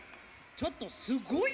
ちょっとすごい。